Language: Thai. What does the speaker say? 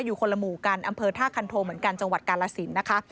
อยู่คนละหมู่กันอำเภอท่าคันโทเหมือนกันจังหวัดกาลสินนะคะ